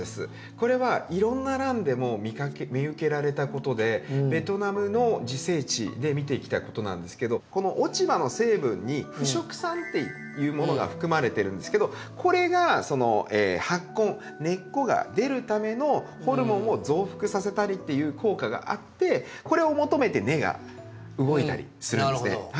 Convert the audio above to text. これはいろんなランでも見受けられたことでベトナムの自生地で見てきたことなんですけどこの落ち葉の成分に「腐植酸」というものが含まれてるんですけどこれがその発根根っこが出るためのホルモンを増幅させたりという効果があってこれを求めて根が動いたりするんですね。